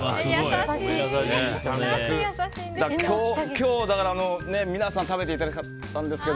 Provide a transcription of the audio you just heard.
今日はだから皆さんに食べていただきたかったんですが。